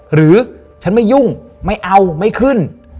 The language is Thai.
หรือฉันไม่ยุ่งไม่เอาไม่ขึ้น